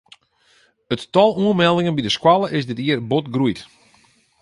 It tal oanmeldingen by de skoalle is dit jier bot groeid.